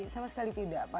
sama sekali tidak